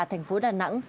thành phố đà nẵng